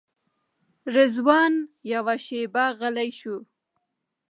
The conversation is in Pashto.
رضوان یوه شېبه غلی شو.